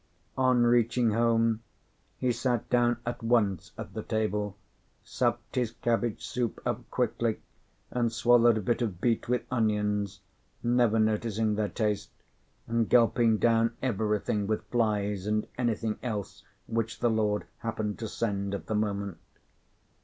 On reaching home, he sat down at once at the table, supped his cabbage soup up quickly, and swallowed a bit of beef with onions, never noticing their taste, and gulping down everything with flies and anything else which the Lord happened to send at the moment.